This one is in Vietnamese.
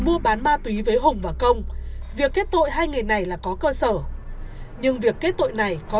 mua bán ma túy với hùng và công việc kết tội hai nghề này là có cơ sở nhưng việc kết tội này có